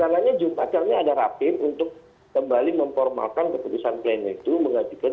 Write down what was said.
hingga akhirnya ada rapin untuk kembali memformalkan keputusan plena itu menggantikan